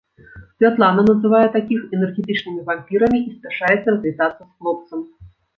Святлана называе такіх энергетычнымі вампірамі і спяшаецца развітацца з хлопцам.